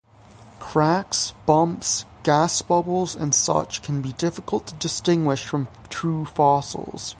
Cracks, bumps, gas bubbles, and such can be difficult to distinguish from true fossils.